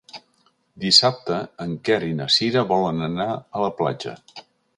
Dissabte en Quer i na Cira volen anar a la platja.